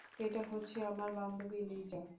এটা হচ্ছে আমার বান্ধবী লিজা।